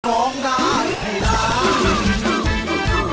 ร้องได้ไอล่า